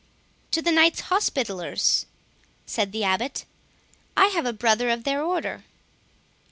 "To the Knights Hospitallers," said the Abbot; "I have a brother of their order."